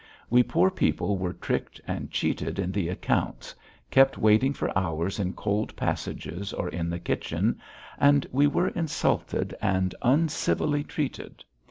We poor people were tricked and cheated in the accounts, kept waiting for hours in cold passages or in the kitchen, and we were insulted and uncivilly treated.